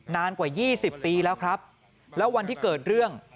นานกว่า๒๐ปีแล้วครับแล้ววันที่เกิดเรื่อง